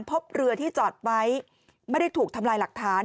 พบเรือที่จอดไว้ไม่ได้ถูกทำลายหลักฐาน